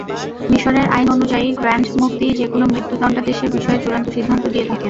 মিসরের আইন অনুযায়ী গ্রান্ড মুফতিই যেকোনো মৃত্যুদণ্ডাদেশের বিষয়ে চূড়ান্ত সিদ্ধান্ত দিয়ে থাকেন।